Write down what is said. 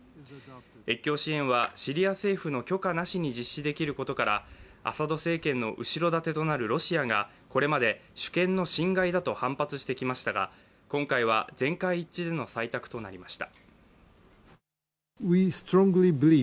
越境支援はシリア政府の許可なしに実施できることからアサド政権の後ろ盾となるロシアがこれまで主権の侵害だと反発してきましたが今回は全会一致での採択となりました。